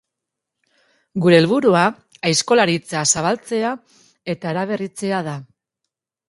Gure helburua aizkolaritza zabaltzea eta eraberritzea da.